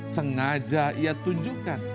sengaja ia tunjukkan